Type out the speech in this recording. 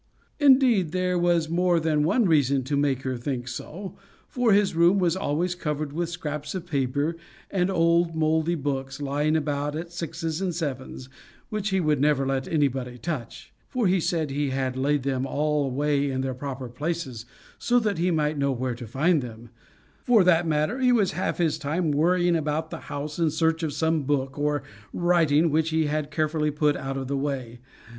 Indeed, there was more than one reason to make her think so, for his room was always covered with scraps of paper and old mouldy books, lying about at sixes and sevens, which he would never let anybody touch; for he said he had laid them all away in their proper places, so that he might know where to find them; though, for that matter, he was half his time worrying about the house in search of some book or writing which he had carefully put out of the way.